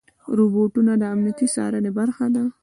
روبوټونه د امنیتي څارنې برخه دي.